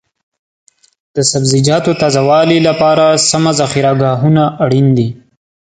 د سبزیجاتو تازه والي لپاره سمه ذخیره ګاهونه اړین دي.